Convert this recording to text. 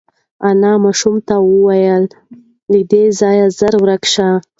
انا ماشوم ته وویل چې له دې ځایه زر ورک شه.